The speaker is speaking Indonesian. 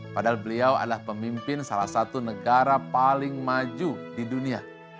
padahal beliau adalah pemimpin salah satu negara paling maju di dunia